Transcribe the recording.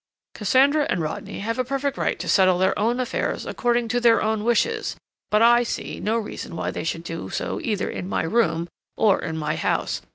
"Cassandra and Rodney have a perfect right to settle their own affairs according to their own wishes; but I see no reason why they should do so either in my room or in my house....